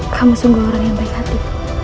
kamu sungguh orang yang baik hati